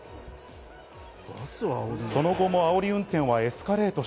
その後もあおり運転はエスカレートし。